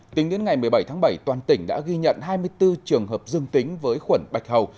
tính đến ngày một mươi bảy tháng bảy toàn tỉnh đã ghi nhận hai mươi bốn trường hợp dương tính với khuẩn bạch hầu